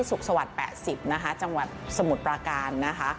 สุขสวรรค์๘๐จังหวัดสมุทรประการนะคะ